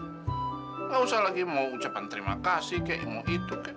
nggak usah lagi mau ucapan terima kasih kek yang mau itu kek